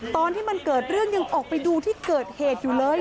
ตอนที่มันเกิดเรื่องยังออกไปดูที่เกิดเหตุอยู่เลย